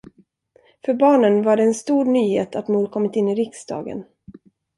För barnen var det en stor nyhet att mor kommit in i riksdagen.